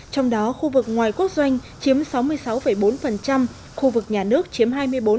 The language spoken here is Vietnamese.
trong đó khu vực ngoài quốc doanh chiếm sáu mươi sáu bốn khu vực nhà nước chiếm hai mươi bốn